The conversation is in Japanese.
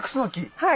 はい。